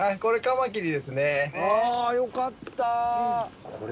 あぁよかった。